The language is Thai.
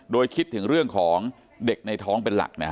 โดยคิดถึงเรื่องของเด็กในท้องเป็นหลักนะฮะ